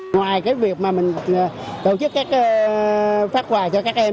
ngoài cái việc mà mình tổ chức các phát quà cho các em